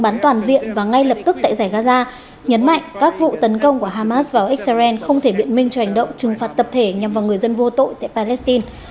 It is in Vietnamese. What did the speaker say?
nhấn mạnh các vụ tấn công của hamas vào israel không thể biện minh cho hành động trừng phạt tập thể nhằm vào người dân vô tội tại palestine